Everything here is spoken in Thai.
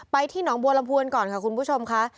ที่หนองบัวลำพวนก่อนค่ะคุณผู้ชมค่ะ